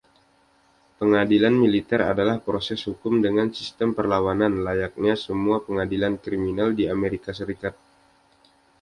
Pengadilan militer adalah proses hukum dengan sistem perlawanan, layaknya semua pengadilan kriminal di Amerika Serikat.